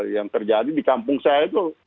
yang terjadi di kampung saya itu